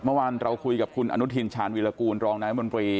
เมื่อวานเราคุยกับคุณอนุทินชาญวิรากูลรองนายมนตรี